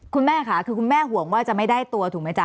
คุณแม่ค่ะคือคุณแม่ห่วงว่าจะไม่ได้ตัวถูกไหมจ๊